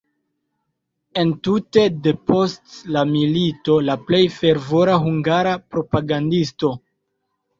Entute depost la milito la plej fervora hungara propagandisto.